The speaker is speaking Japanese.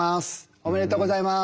ありがとうございます。